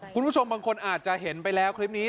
คุณผู้ชมบางคนอาจจะเห็นไปแล้วคลิปนี้